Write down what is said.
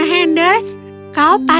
saya akan mencari anda